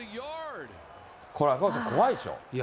これ、赤星さん、怖いでしょ、普通。